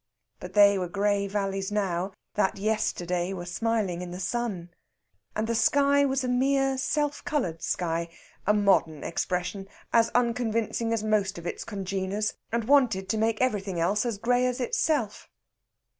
But they were grey valleys now, that yesterday were smiling in the sun. And the sky was a mere self coloured sky (a modern expression, as unconvincing as most of its congeners), and wanted to make everything else as grey as itself.